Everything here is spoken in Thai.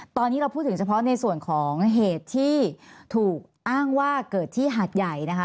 ตอนนี้เราพูดถึงเฉพาะในส่วนของเหตุที่ถูกอ้างว่าเกิดที่หาดใหญ่นะคะ